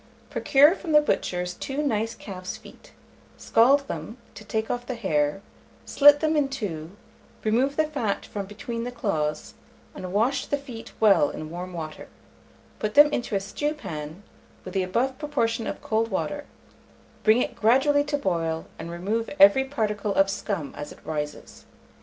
Procure from the butcher's 2 nice calf's feet: scald them, to take off the hair; slit them in two, remove the fat from between the claws, and wash the feet well in warm water; put them into a stewpan, with the above proportion of cold water, bring it gradually to boil, and remove every particle of scum as it rises.